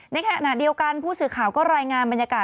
ในขณะเดียวกันผู้สื่อข่าวก็รายงานบรรยากาศ